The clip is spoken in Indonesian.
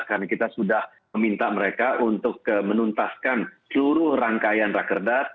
karena kita sudah meminta mereka untuk menuntaskan seluruh rangkaian rakerdat